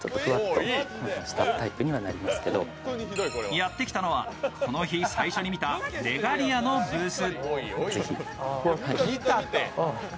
やってきたのは、この日最初に見たレガリアのブース。